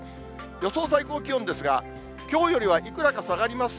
予想最高気温ですが、きょうよりはいくらか下がります。